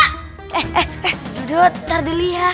eh eh eh dodot ntar dulu ya